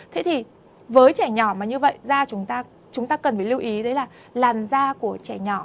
thế thì với trẻ nhỏ mà như vậy ra chúng ta cần phải lưu ý đấy là làn da của trẻ nhỏ